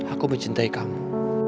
aku mencintai kamu